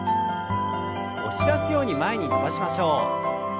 押し出すように前に伸ばしましょう。